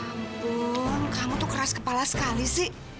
ampun kamu tuh keras kepala sekali sih